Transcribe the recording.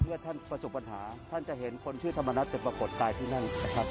ท่านประสบปัญหาท่านจะเห็นคนชื่อธรรมนัฐไปปรากฏกายที่นั่นนะครับ